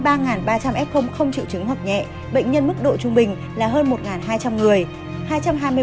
trong đó hơn ba ba trăm linh f không chịu chứng hoặc nhẹ bệnh nhân mức độ trung bình là hơn một hai trăm linh người